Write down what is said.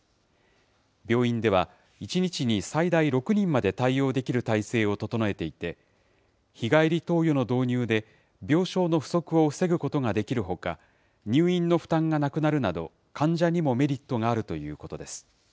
病院では、１日に最大６人まで対応できる体制を整えていて、日帰り投与の導入で、病床の不足を防ぐことができるほか、入院の負担がなくなるなど、患者にもメリットがあるということです。